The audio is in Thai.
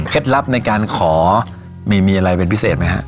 ลับในการขอมีอะไรเป็นพิเศษไหมฮะ